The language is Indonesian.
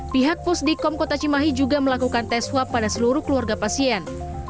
pihak pusdikkom kota cimahi juga melakukan tes swab pada seluruh keluarga pasien